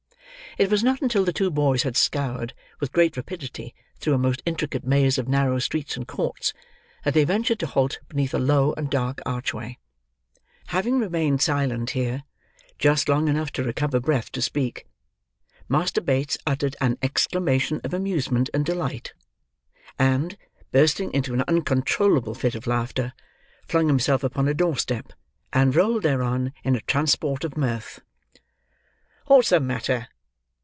It was not until the two boys had scoured, with great rapidity, through a most intricate maze of narrow streets and courts, that they ventured to halt beneath a low and dark archway. Having remained silent here, just long enough to recover breath to speak, Master Bates uttered an exclamation of amusement and delight; and, bursting into an uncontrollable fit of laughter, flung himself upon a doorstep, and rolled thereon in a transport of mirth. "What's the matter?"